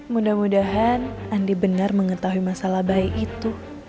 mudah mudahan andi benar mengetahui masalah bayi itu